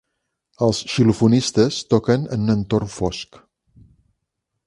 Els xilofonistes toquen en un entorn fosc.